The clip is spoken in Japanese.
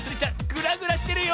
グラグラしてるよ。